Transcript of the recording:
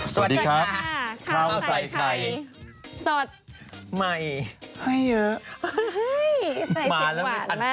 สวัสดีครับข้าวใส่ไข่สดใหม่เยอะเฮ้ยใส่เสียงหวานมาก